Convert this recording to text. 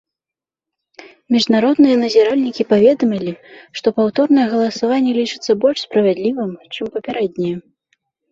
Міжнародныя назіральнікі паведамілі, што паўторнае галасаванне лічыцца больш справядлівым, чым папярэдняе.